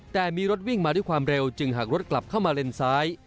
แต่มีรถวิ่งมาด้วยความเร็วจึงหากรถกลับเข้ามาเลนซ้าย